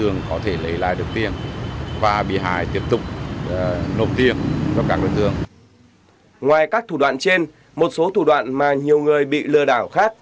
ngoài các thủ đoạn trên một số thủ đoạn mà nhiều người bị lừa đảo khác